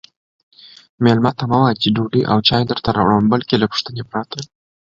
میلمه ته مه وایئ چې ډوډۍ او چای درته راوړم بلکې له پوښتنې پرته